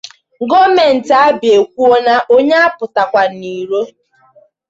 Gọọmenti Abịa Ekwuona Onye Apụtakwụna Iro